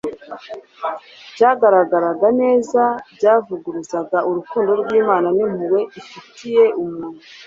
cyagaragaraga neza byavuguruzaga urukundo rw'Imana n'impuhwe ifitiye umuntu.